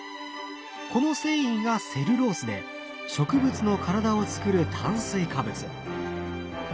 この繊維がセルロースで植物の体をつくる炭水化物。